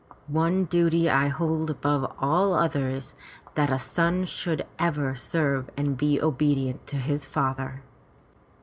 One duty I hold above all others — that a son should ever serve and be obedient to his father."